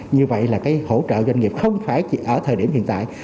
như vậy là cái hỗ trợ doanh nghiệp không phải chỉ ở thời điểm hiện tại